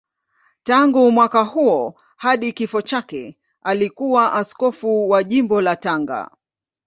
Tangu mwaka huo hadi kifo chake alikuwa askofu wa Jimbo la Tanga.